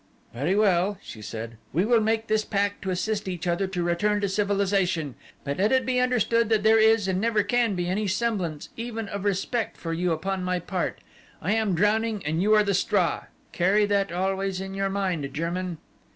"Very well," she said, "we will make this pact to assist each other to return to civilization, but let it be understood that there is and never can be any semblance even of respect for you upon my part. I am drowning and you are the straw. Carry that always in your mind, German."